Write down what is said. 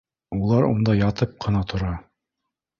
Улар унда ятып ҡына тора